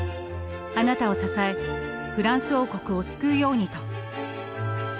あなたを支えフランス王国を救うようにと」。